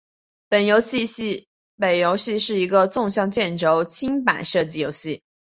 本游戏是一个纵向卷轴清版射击游戏。